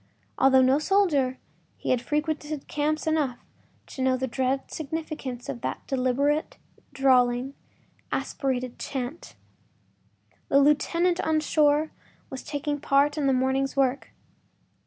Although no soldier, he had frequented camps enough to know the dread significance of that deliberate, drawling, aspirated chant; the lieutenant on shore was taking a part in the morning’s work.